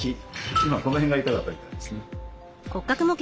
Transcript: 今この辺が痛かったみたいですね。